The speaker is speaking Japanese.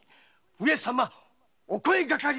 “上様お声掛かり”。